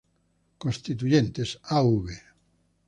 Constituyentes, Av.